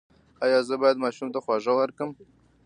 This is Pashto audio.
ایا زه باید ماشوم ته خواږه ورکړم؟